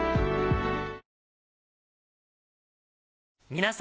皆様。